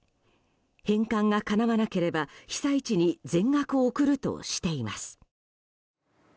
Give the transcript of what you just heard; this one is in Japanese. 返還がかなわなければ被災地に全額送るとしています。